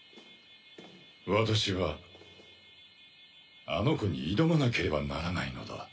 私はあの子に挑まなければならないのだ。